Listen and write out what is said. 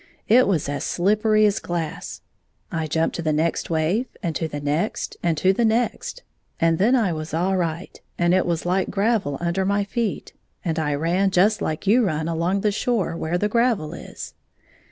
It was as sUppery as glass. I jumped to the next wave and to the next and to the next, and then I was all right, and it was Uke gravel under my feet, and I ran just hke you run along the shore where the gravel is.